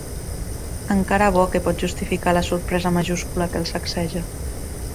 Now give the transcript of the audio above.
Encara bo que pot justificar la sorpresa majúscula que el sacseja.